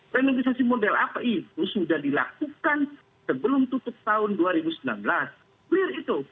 renovisasi model apa itu sudah dilakukan sebelum tutup tahun dua ribu sembilan belas clear itu